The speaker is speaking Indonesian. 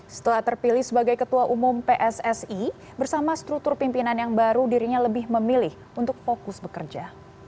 setelah terpilih sebagai ketua umum pssi bersama struktur pimpinan yang baru dirinya lebih memilih untuk fokus bekerja